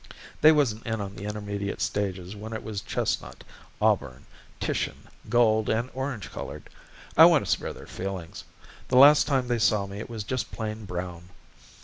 They wasn't in on the intermediate stages when it was chestnut, auburn, Titian, gold, and orange colored. I want to spare their feelings. The last time they saw me it was just plain brown.